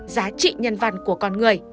giá trị nhân văn của con người